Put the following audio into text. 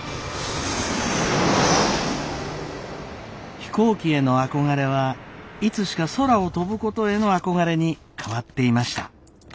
飛行機への憧れはいつしか空を飛ぶことへの憧れに変わっていました。